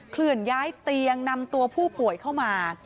เคลื่อนย้ายเตียงนำตัวผู้ป่วยเข้ามา